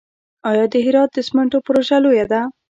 آیا د هرات د سمنټو پروژه لویه ده؟